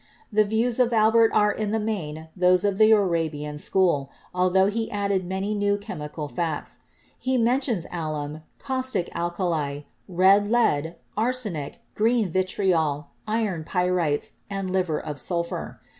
The views of Albert are in the main those of the Arabian school, altho he added many new chemical facts. He men tions alum, caustic alkali, red lead, arsenic, green vitriol, iron pyrites and liver of sulphur.